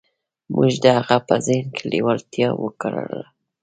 موږ د هغه په ذهن کې لېوالتیا وکرله.